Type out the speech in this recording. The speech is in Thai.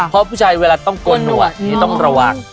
เพราะผู้ชายเวลาต้องโกนหัวพี่ต้องระวัง